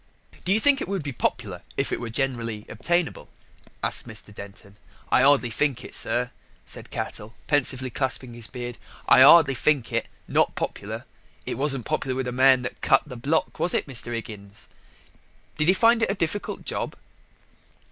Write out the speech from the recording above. "Do you think it would be popular if it were generally obtainable?" asked Mr. Denton. "I 'ardly think it, sir," said Cattell, pensively clasping his beard. "I 'ardly think it. Not popular: it wasn't popular with the man that cut the block, was it, Mr. 'Iggins?" "Did he find it a difficult job?"